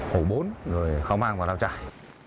hộ bốn rồi không mang vào lao trải